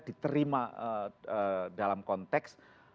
diterima dalam konteks